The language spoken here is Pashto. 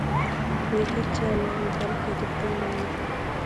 د هیچا نه وي بلکې د ټولو وي.